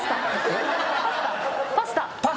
パスタ。